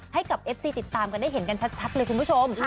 ให้กับเอฟซีติดตามกันได้เห็นกันชัดเลยคุณผู้ชม